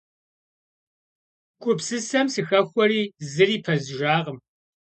Гупсысэм сыхэхуэри зыри пэздзыжакъым.